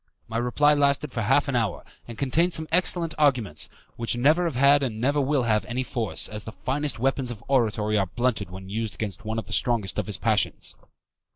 My reply lasted for half an hour, and contained some excellent arguments, which never have had and never will have any force, as the finest weapons of oratory are blunted when used against one of the strongest of the passions.